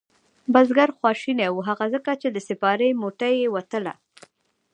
بزگر خواشینی و هغه ځکه چې د سپارې موټۍ یې وتله.